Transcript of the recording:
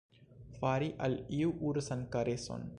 Fari al iu ursan kareson.